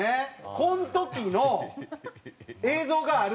この時の映像がある？